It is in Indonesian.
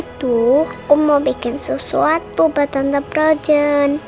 kalau gitu aku mau bikin sesuatu buat tante frozen